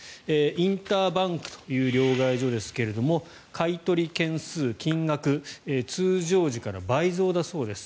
インターバンクという両替所ですが買い取り件数、金額通常時から倍増だそうです。